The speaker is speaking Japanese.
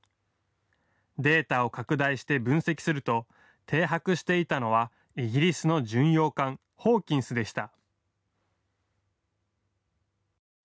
データを拡大して分析すると停泊していたのはイギリスの巡洋艦「ホーキンス」でした。